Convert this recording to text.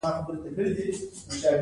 دوی د اثر په چمتو کولو کې مرسته وکړه.